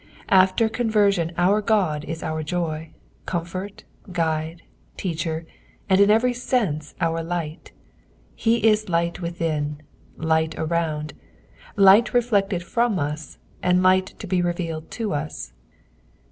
After conversion our Ood is our joy, comfort, guide, teacher, and in every^ sense our light ; be is light within, light around, light reflected from U8, and light to be revealed _ to us.